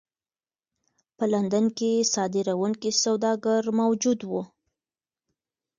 په لندن کې صادروونکي سوداګر موجود وو.